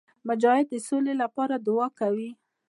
مجاهد د سولي لپاره دعا کوي.